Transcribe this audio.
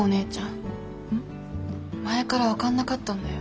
前から分かんなかったんだよ